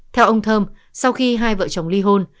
theo ông thơm sau khi hai vợ chồng ly hôn